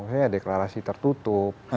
maksudnya deklarasi tertutup